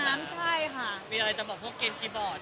มีอะไรจะบอกพวกเกมค์คีย์บอร์ด